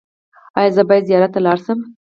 ایا زه باید زیارت ته لاړ شم؟